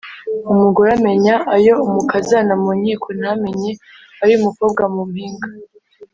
Umugore amenya ayo umukazana mu nkiko, ntamenya ayo umukobwa mu mpinga.